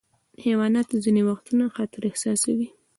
حیوانات ځینې وختونه خطر احساسوي.